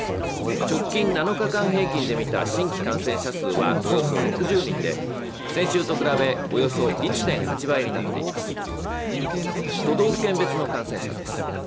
直近７日間平均で見た新規感染者数はおよそ６０人で先週と比べ、およそ１．８倍になっています。